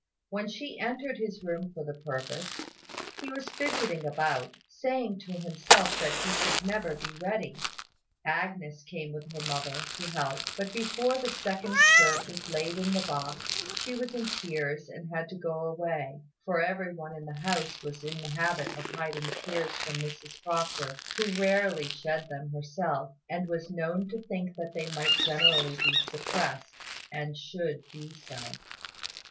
When she entered his room for the purpose, he was fidgeting about, saying to himself that he should never be ready. Agnes came with her mother, to help: but before the second shirt was laid in the box, she was in tears and had to go away; for every one in the house was in the habit of hiding tears from Mrs Proctor, who rarely shed them herself, and was known to think that they might generally be suppressed, and should be so.